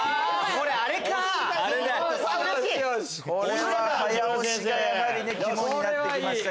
これは早押しがやはり肝になってきました。